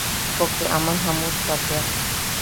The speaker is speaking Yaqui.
Poke aman jamutta teak.